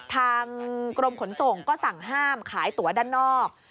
ทางกรมขนส่งก็สั่งห้ามขายตัวด้านนอก